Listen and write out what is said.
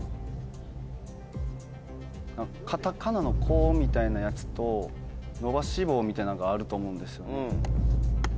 カタカナの「コ」みたいなやつと伸ばし棒みたいなんがあると思うんですよね。